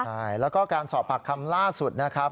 ใช่แล้วก็การสอบปากคำล่าสุดนะครับ